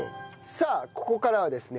さあここからはですね